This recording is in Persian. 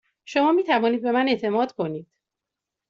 شما می توانید به من اعتماد کنید.